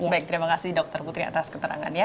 baik terima kasih dokter putri atas keterangan ya